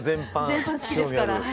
全般好きですから。